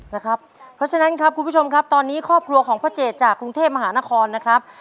เพราะฉะนั้นครับคุณผู้ชมครับตอนนี้ครอบครัวของพ่อเจดจากกรุงเทพมหานครนะครับ